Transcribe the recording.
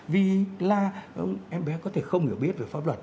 vì là em bé có thể không hiểu biết về pháp luật